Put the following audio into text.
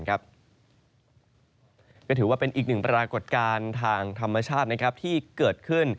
ก็ถือว่าเป็นอีกหนึ่งปรากฏการณ์ทางธรรมชาติที่เกิดขึ้น